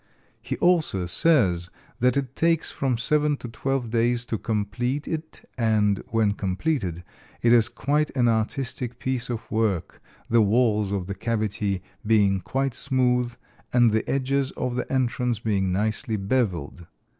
He also says that it takes from seven to twelve days to complete it and when completed it is quite an artistic piece of work, the walls of the cavity being quite smooth and the edges of the entrance being nicely beveled.